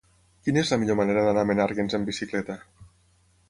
Quina és la millor manera d'anar a Menàrguens amb bicicleta?